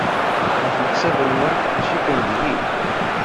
Ɣef leḥsab-nwen, cikken deg-i?